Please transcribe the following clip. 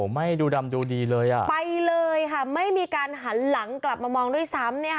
ไม่ดูดำดูดีเลยอ่ะไปเลยค่ะไม่มีการหันหลังกลับมามองด้วยซ้ำ